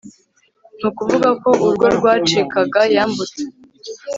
ni ukuvuga ko urwo rwacikaga yambutse